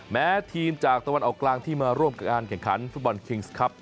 แม้ทีมจากตะวันออกกลางที่มาร่วมกับการแข่งขันฟุตบอลคิงส์ครับ